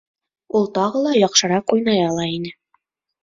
Ул тағы ла яҡшыраҡ уйнай ала ине